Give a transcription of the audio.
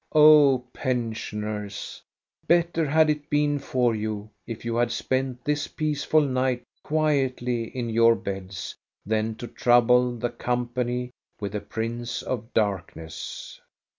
Oh, pensioners, better had it been for you if you had spent this peaceful night quietly in your beds than to trouble the company with the Prince of Darkness.